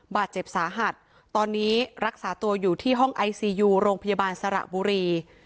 บาดเจ็บสาหัสตอนนี้รักษาตัวอยู่ที่ห้องไอซียูโรงพยาบาลสระบุรี